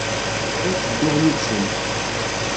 Ur ttedduɣ yid-sen.